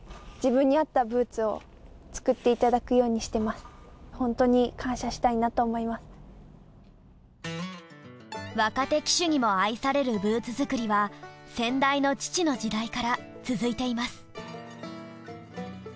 すごく若手騎手にも愛されるブーツ作りは先代の父の時代から続いています。